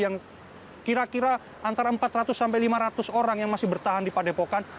yang kira kira antara empat ratus sampai lima ratus orang yang masih bertahan di padepokan